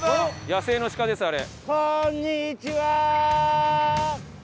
野生の鹿ですあれ。